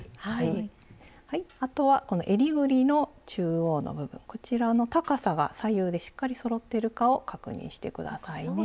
あとはこのえりぐりの中央の部分こちらの高さが左右でしっかりそろっているかを確認して下さいね。